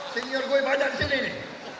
senior gue badan sini nih